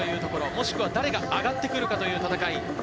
もしくは誰が上がってくるかという戦い。